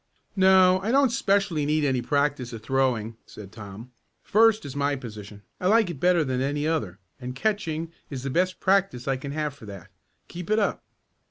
"No, I don't specially need any practice at throwing," said Tom. "First is my position. I like it better than any other, and catching is the best practice I can have for that. Keep it up."